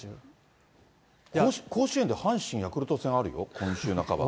甲子園で阪神・ヤクルト戦あるよ、今週半ば。